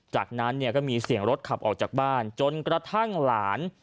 จากนั้นเนี่ยก็มีเสียงรถขับออกจากบ้านจนกระทั่งหลาน